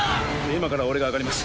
今から俺が上がります